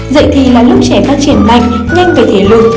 dạy thì là lúc trẻ phát triển mạnh nhanh về thể lực